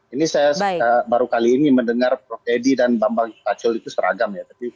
ini saya baru kali ini mendengar prof eddy dan bambang pacul itu seranjutnya